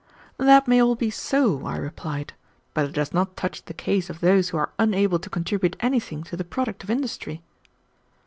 "That may all be so," I replied, "but it does not touch the case of those who are unable to contribute anything to the product of industry."